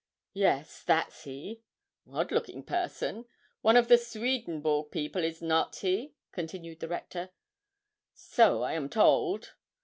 'Yes; that's he.' 'Odd looking person one of the Swedenborg people, is not he?' continued the Rector. 'So I am told.'